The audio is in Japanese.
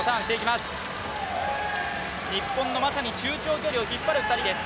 日本の中長距離を引っ張る２人です